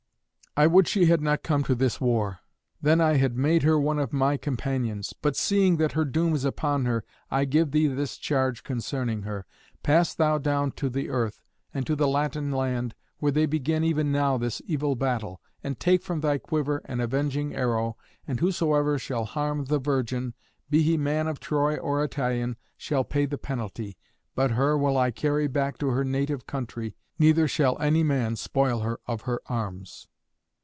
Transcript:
I would she had not come to this war. Then had I made her one of my companions. But seeing that her doom is upon her, I give thee this charge concerning her. Pass thou down to the earth, to the Latin land, where they begin even now this evil battle. And take from thy quiver an avenging arrow, and whosoever shall harm the virgin, be he man of Troy or Italian, shall pay the penalty. But her will I carry back to her native country, neither shall any man spoil her of her arms."